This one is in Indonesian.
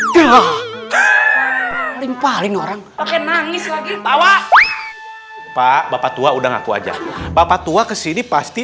tuh paling paling orang oke nangis lagi tawa pak bapak tua udah ngaku aja bapak tua kesini pasti